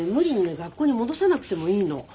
学校に戻さなくてもいいの。